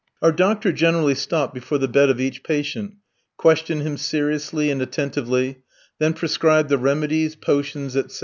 Our doctor generally stopped before the bed of each patient, questioned him seriously and attentively, then prescribed the remedies, potions, etc.